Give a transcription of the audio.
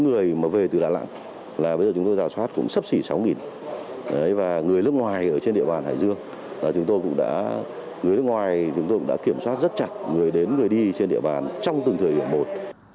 người mà về từ đà nẵng là bây giờ chúng tôi giả soát cũng sắp xỉ sáu và người nước ngoài ở trên địa bàn hải dương là chúng tôi cũng đã người nước ngoài chúng tôi cũng đã kiểm soát rất chặt người đến người đi trên địa bàn trong từng thời điểm một